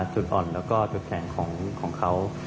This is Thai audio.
จุดอ่อนแล้วก็จุดแข็งของเขา